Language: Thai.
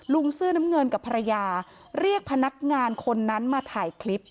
เสื้อน้ำเงินกับภรรยาเรียกพนักงานคนนั้นมาถ่ายคลิป